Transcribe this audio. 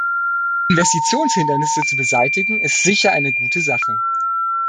Investitionshindernisse zu beseitigen ist sicher eine gute Sache.